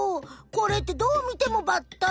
これってどう見てもバッタ。